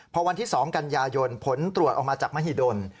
พอวันที่๒กันยายนผลตรวจออกมาจากมหิดล